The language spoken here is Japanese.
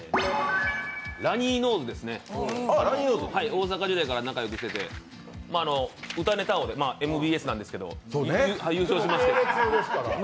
ラニーノーズですね大阪時代から仲良くしてて「歌ネタ王」でＭＢＳなんですけど、優勝しまして。